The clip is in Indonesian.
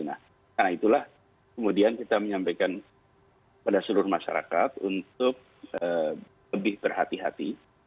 nah itulah kemudian kita menyampaikan pada seluruh masyarakat untuk lebih berhati hati